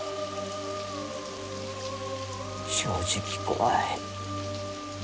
正直怖い。